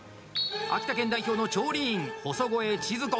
秋田県代表の調理員、細越千鶴子。